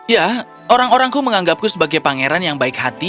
ya orang orangku menganggapku sebagai pangeran yang baik hati